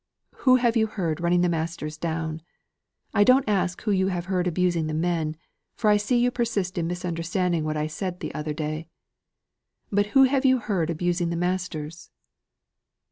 "Who have you heard running the masters down? I don't ask who you have heard abusing the men; for I see you persist in misunderstanding what I said the other day. But who have you heard abusing the masters?"